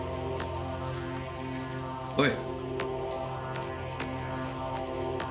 おい！